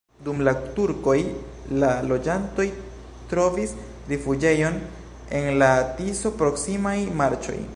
Dum la turkoj la loĝantoj trovis rifuĝejon en la Tiso-proksimaj marĉoj.